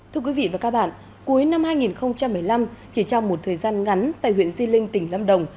thưa quý vị và các bạn cuối năm hai nghìn một mươi năm chỉ trong một thời gian ngắn tại huyện di linh tỉnh lâm đồng